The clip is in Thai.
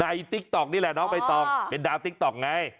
บายต่ออนี่แหละเนาะเป็นดาวติ๊กต๊อกไง